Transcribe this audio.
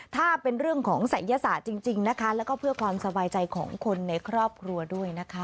ถ้าเป็นเรื่องของศัยยศาสตร์จริงนะคะแล้วก็เพื่อความสบายใจของคนในครอบครัวด้วยนะคะ